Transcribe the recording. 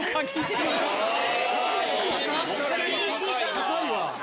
高いわ。